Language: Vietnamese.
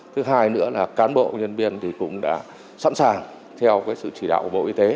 thứ hai nữa là cán bộ nhân viên cũng đã sẵn sàng theo sự chỉ đạo của bộ y tế